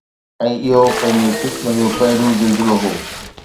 ۽ اهو پنهنجي قسم جو پهريون زلزلو هو